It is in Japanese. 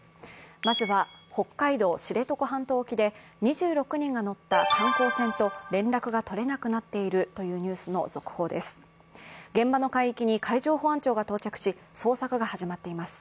まずは、北海道・知床半島沖で２６人が乗った観光船と連絡が取れなくなっているというニュースの続報です。